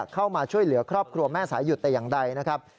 เข้ามาช่วยเหลือครอบครัวแม่สายหยุดแต่อย่างใดนะครับ